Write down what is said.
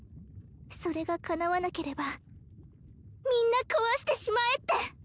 それがかなわなければみんな壊してしまえって！